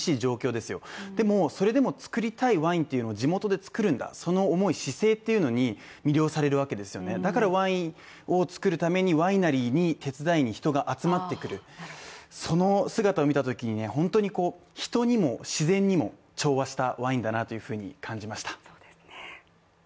でもそれでも作りたいワインというのを地元で作るんだその想い姿勢っていうのに魅了されるわけですよねだからワインを造るためにワイナリーに手伝いに人が集まってくるその姿を見たときに本当にこう、人にも自然にも調和したワインだなというふうに感じました。